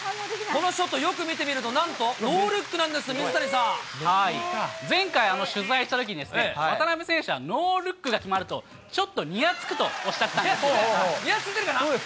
このショット、よく見てみると、なんとノールックなんです、前回取材したときに、渡辺選手はノールックが決まると、ちょっとにやつくとおっしゃったんですよ。